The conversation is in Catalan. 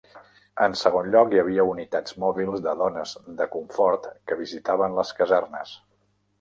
En segon lloc, hi havia unitats mòbils de dones de confort que visitaven les casernes.